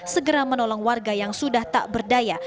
segera menolong warga yang sudah tak berdaya